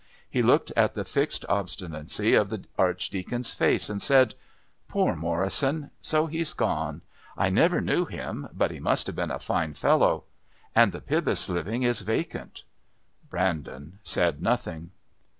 He looked at the fixed obstinacy of the Archdeacon's face and said: "Poor Morrison! So he's gone. I never knew him, but he must have been a fine fellow. And the Pybus living is vacant." Brandon said nothing.